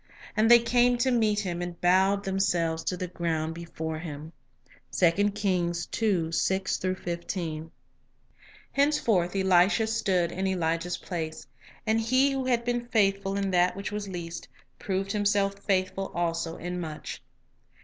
And they came to meet him, and bowed them selves to the ground before him." 1 Henceforth Elisha stood in Elijah's place. And he who had been faithful in that which was least, proved himself faithful also in much.